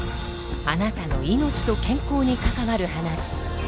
あなたの命と健康に関わる話。